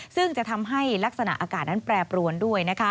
ซึ่งจะทำให้ลักษณะอากาศนั้นแปรปรวนด้วย